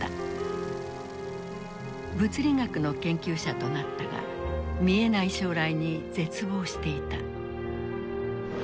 物理学の研究者となったが見えない将来に絶望していた。